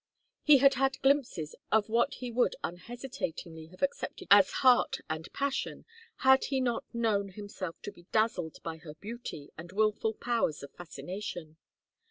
He had had glimpses of what he would unhesitatingly have accepted as heart and passion had he not known himself to be dazzled by her beauty and wilful powers of fascination.